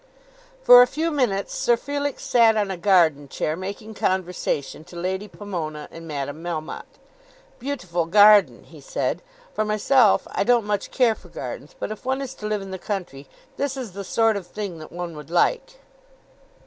For a few minutes Sir Felix sat on a garden chair making conversation to Lady Pomona and Madame Melmotte. "Beautiful garden," he said; "for myself I don't much care for gardens; but if one is to live in the country, this is the sort of thing that one would like."